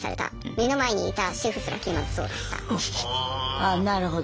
あなるほど。